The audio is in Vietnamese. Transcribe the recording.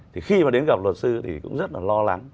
thì khi mà đến gặp luật sư thì cũng rất là lo lắng